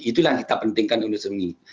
itulah yang kita pentingkan di indonesia